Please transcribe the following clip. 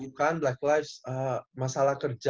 bukan black life masalah kerja